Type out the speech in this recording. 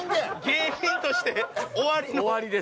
芸人として終わりの。